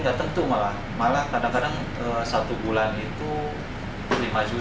di kamboja ada beberapa tempat yang diperlukan penjual ginjal manusia